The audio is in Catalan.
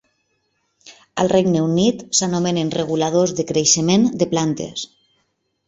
Al regne Unit s'anomenen "reguladors de creixement de plantes".